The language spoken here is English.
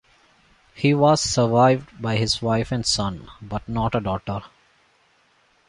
He was survived by his wife and son, but not a daughter.